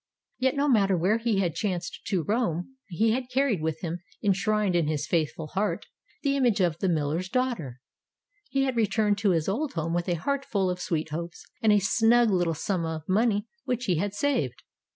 Yet no matter where he had chanced to roam, he had carried with him enshrined in his faithful heart, the image of the miller's daughter. He had returned to his old home with a heart full of sweet hopes, and a snug little sum of money which he had saved.